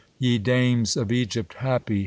Ye dames of Egypt ! happy !